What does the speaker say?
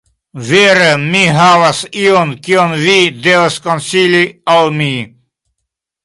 Vere, mi havas ion kion vi devas konsili al mi